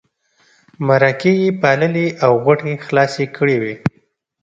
مرکې یې پاللې او غوټې یې خلاصې کړې وې.